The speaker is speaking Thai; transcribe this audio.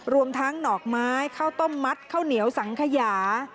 รวมทั้งดอกไม้ข้าวต้มมัดข้าวเหนียวสังขยา